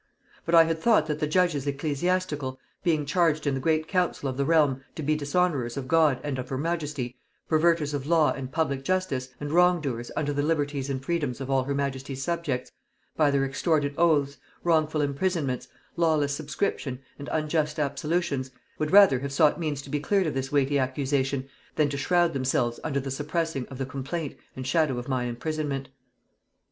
But I had thought that the judges ecclesiastical, being charged in the great council of the realm to be dishonorers of God and of her majesty, perverters of law and public justice, and wrong doers unto the liberties and freedoms of all her majesty's subjects, by their extorted oaths, wrongful imprisonments, lawless subscription, and unjust absolutions, would rather have sought means to be cleared of this weighty accusation, than to shrowd themselves under the suppressing of the complaint and shadow of mine imprisonment.